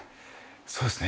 そうですね。